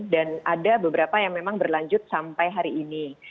dan ada beberapa yang memang berlanjut sampai hari ini